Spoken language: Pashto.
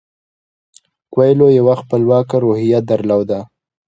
کویلیو یوه خپلواکه روحیه درلوده.